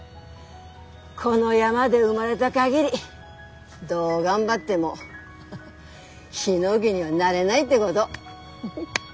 この山で生まれだ限りどう頑張ってもヒノキにはなれないってごど。